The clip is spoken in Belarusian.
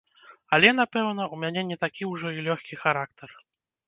Але, напэўна, у мяне не такі ўжо і лёгкі характар.